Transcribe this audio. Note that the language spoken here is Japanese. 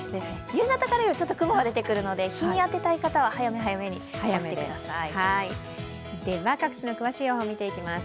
夕方から夜は雲が出てくるので日に当てたい方は早め早めに取り込んでください。